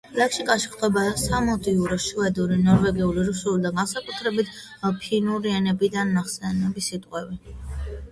ლექსიკაში გვხვდება სამოდიური, შვედური, ნორვეგიული, რუსული და განსაკუთრებით ფინური ენებიდან ნასესხები სიტყვები.